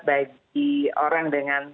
bagi orang dengan